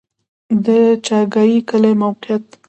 د چاګای کلی موقعیت